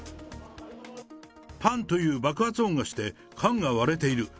パンという爆発音がして、缶が割れている。